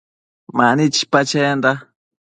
Mani chipa chenda